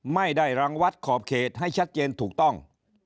ไม่ได้รังวัดขอบเขตให้ชัดเจนถูกต้อง